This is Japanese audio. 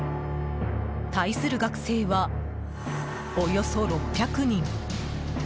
対する学生は、およそ６００人。